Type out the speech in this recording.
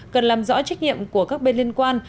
cần làm rõ trách nhiệm của các bên liên quan